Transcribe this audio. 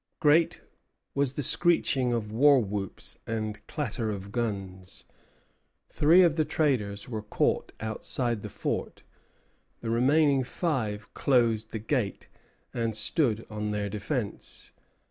Great was the screeching of war whoops and clatter of guns. Three of the traders were caught outside the fort. The remaining five closed the gate, and stood on their defence.